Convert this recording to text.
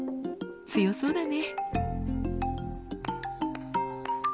強そうだね。